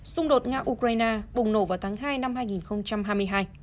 xung đột nga ukraine bùng nổ vào tháng hai năm hai nghìn hai mươi hai